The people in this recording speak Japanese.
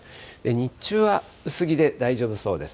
日中は薄着で大丈夫そうです。